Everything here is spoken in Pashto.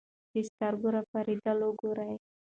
د سترګو رپېدل وګورئ.